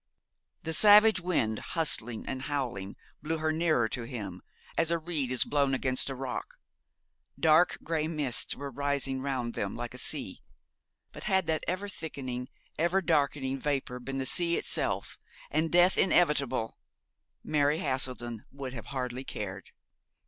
The savage wind, hustling and howling, blew her nearer to him, as a reed is blown against a rock. Dark grey mists were rising round them like a sea; but had that ever thickening, ever darkening vapour been the sea itself, and death inevitable, Mary Haselden would have hardly cared.